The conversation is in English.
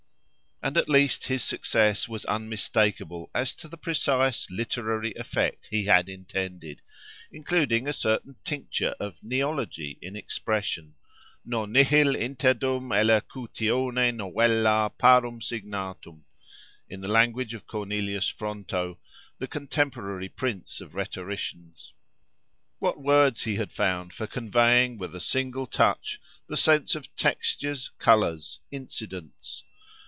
And at least his success was unmistakable as to the precise literary effect he had intended, including a certain tincture of "neology" in expression—nonnihil interdum elocutione novella parum signatum—in the language of Cornelius Fronto, the contemporary prince of rhetoricians. What words he had found for conveying, with a single touch, the sense of textures, colours, incidents!